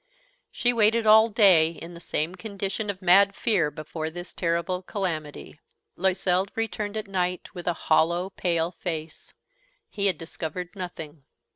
She waited all day, in the same condition of mad fear before this terrible calamity. Loisel returned at night with a hollow, pale face; he had discovered nothing.